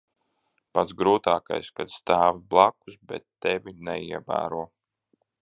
Pats grūtākais - kad stāvi blakus, bet tevi neievēro.